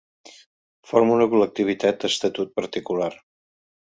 Forma una col·lectivitat a estatut particular.